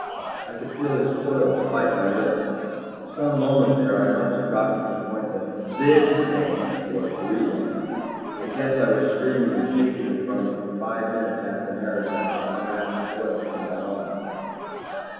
I could feel his coils fight my lift. At some moment there I must have gotten the point that this snake was real. I guess I was screaming and shaking it from me for five minutes after Maragon had unwrapped the coils from my arm.